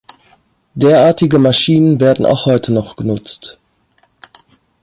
Derartige Maschinen werden auch heute noch genutzt.